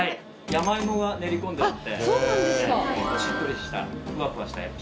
山芋が練り込んであってしっとりしたふわふわした食感で。